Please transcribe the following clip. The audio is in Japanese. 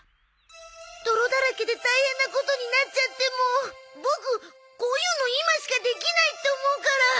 泥だらけで大変なことになっちゃってもボクこういうの今しかできないって思うから。